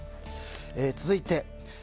続いて。